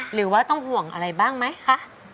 หรือว่าต้องห่วงอะไรบ้างไหมคะ